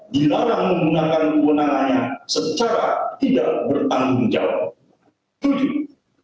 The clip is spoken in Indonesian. dilarang menggunakan kewenangannya secara tidak bertanggung jawab